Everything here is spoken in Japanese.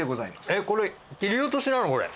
えっこれ切り落としなの？